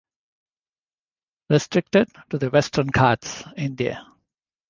Restricted to the Western Ghats, India.